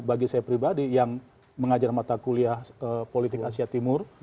bagi saya pribadi yang mengajar mata kuliah politik asia timur